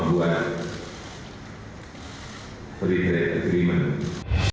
kami juga akan menindaklanjuti nantinya dengan membuat private agreement